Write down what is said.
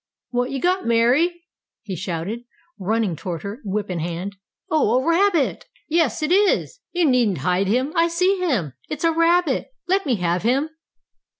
"What you got, Mary?" he shouted, running toward her, whip in hand. "Oh, a rabbit! Yes, it is! You needn't hide him! I see him! It's a rabbit! Let me have him!"